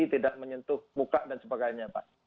tidak menyentuh muka dan sebagainya pak